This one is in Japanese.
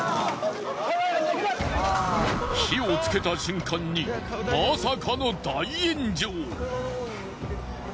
火をつけた瞬間にまさかの大炎上。